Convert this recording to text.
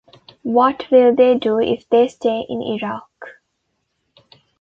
What will they do if they stay in Iraq?